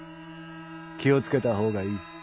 気をつけた方がいい。